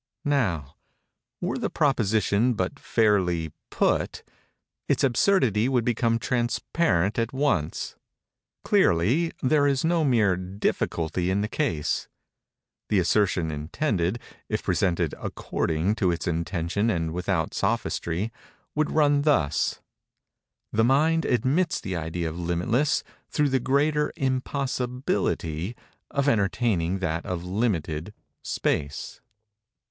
Now, were the proposition but fairly put, its absurdity would become transparent at once. Clearly, there is no mere difficulty in the case. The assertion intended, if presented according to its intention and without sophistry, would run thus:—"The mind admits the idea of limitless, through the greater impossibility of entertaining that of limited, space."